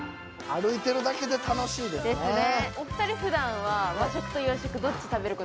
歩いているだけで楽しいですな。